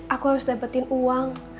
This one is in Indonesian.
aku harus dapetin uang